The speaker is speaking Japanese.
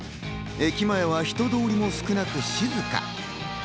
駅前は人通りも少なく静か。